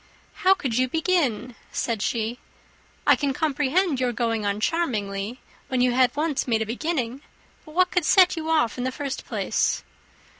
"How could you begin?" said she. "I can comprehend your going on charmingly, when you had once made a beginning; but what could set you off in the first place?"